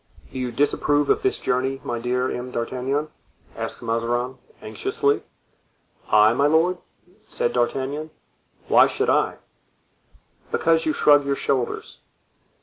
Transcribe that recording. "Do you disapprove of this journey, my dear M. d'Artagnan?" asked Mazarin, anxiously. "I, my lord?" said D'Artagnan; "why should I?" "Because you shrug your shoulders."